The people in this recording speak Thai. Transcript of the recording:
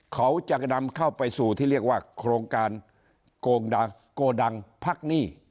เขาจะนำเข้าไปสู่ที่เรียกว่าโครงการโกงโกดังพักหนี้